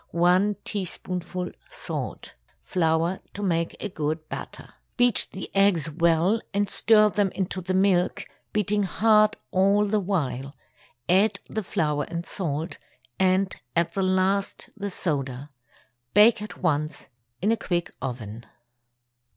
1 teaspoonful salt. Flour to make good batter. Beat the eggs well and stir them into the milk, beating hard all the while; add the flour and salt, and at the last the soda. Bake at once in a quick oven.